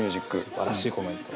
すばらしいコメント。